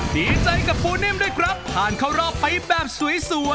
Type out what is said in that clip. ดีใจกับปูนิ่มด้วยครับผ่านเข้ารอบไปแบบสวย